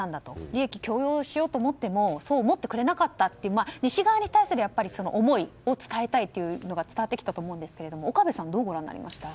利益共用しようと思ってもそう思ってくれなかったと西側に対する思いを伝えたいというのが伝わってきたと思うんですが岡部さんはどうご覧になりました？